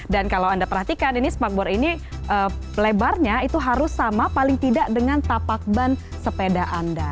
dan kalau anda perhatikan ini sparkboard ini lebarnya itu harus sama paling tidak dengan tapak ban sepeda anda